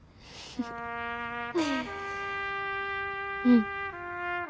うん。